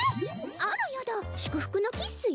あらやだ祝福のキッスよ。